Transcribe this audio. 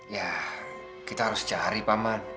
ya kita harus cari paman